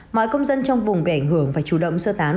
mọi công dân trong vùng bị ảnh hưởng và chủ động sơ tán